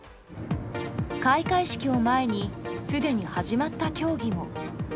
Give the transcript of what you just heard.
開会式を前にすでに始まった競技も。